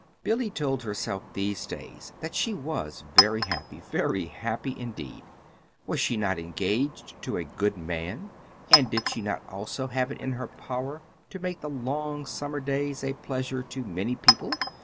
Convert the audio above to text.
Billy told herself these days that she was very happy very happy indeed. Was she not engaged to a good man, and did she not also have it in her power to make the long summer days a pleasure to many people?